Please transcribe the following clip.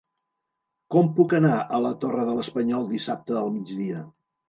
Com puc anar a la Torre de l'Espanyol dissabte al migdia?